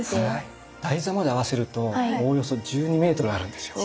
台座まで合わせるとおおよそ１２メートルあるんですよ。